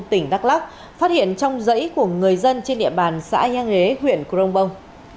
tỉnh đắk lóc phát hiện trong giấy của người dân trên địa bàn xã giang lế huyện crong pong